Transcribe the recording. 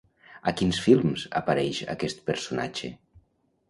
A quins films apareix aquest personatge?